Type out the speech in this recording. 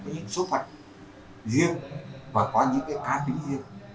với những số phận riêng và có những cái cá tính riêng